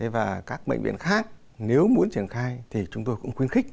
và các bệnh viện khác nếu muốn triển khai thì chúng tôi cũng khuyến khích